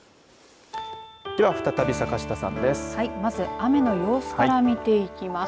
では、再び坂下さんです。